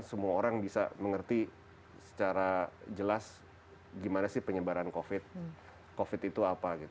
semua orang bisa mengerti secara jelas gimana sih penyebaran covid itu apa